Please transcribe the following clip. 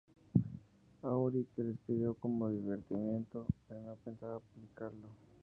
Aury, que lo escribió como divertimento, no pensaba publicarlo.